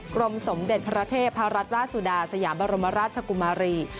กรมสมเด็จพระเทพรัตนราชสุดาสยามบรมราชกุมารี